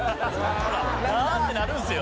「ああ」ってなるんすよ